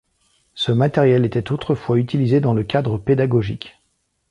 Ce matériel était autrefois utilisé dans le cadre pédagogique.